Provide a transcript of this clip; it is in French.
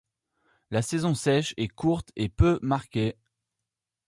La saison sèche est courte et peu marquée.